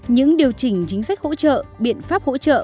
những điều chỉnh chính sách hỗ trợ biện pháp hỗ trợ